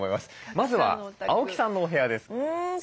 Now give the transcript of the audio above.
まずは青木さんのお部屋です。